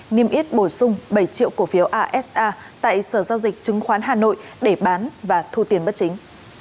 niêm yết bổ sung bảy triệu cổ phiếu asa tại sở giao dịch chứng khoán hà nội để bán và thu tiền bất chính